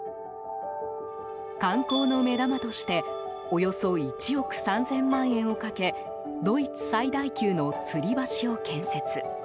観光の目玉としておよそ１億３０００万円をかけドイツ最大級のつり橋を建設。